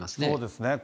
そうですね。